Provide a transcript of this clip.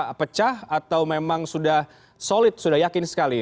apakah pecah atau memang sudah solid sudah yakin sekali